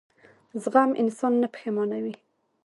زغم انسان نه پښېمانوي.